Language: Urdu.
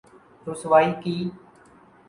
رسوائی کی‘‘۔